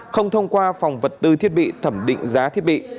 không thông qua phòng vật tư thiết bị thẩm định giá thiết bị